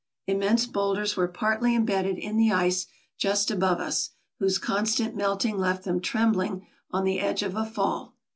Immense bowlders were partly imbedded in the ice just above us, whose constant melting left them trembling on the edge of a fall.